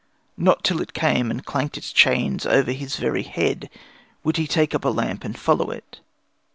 Not till it came and clanked its chains over his very head would he take up a lamp and follow it.